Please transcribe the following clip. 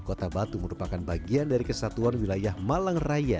kota batu merupakan bagian dari kesatuan wilayah malang raya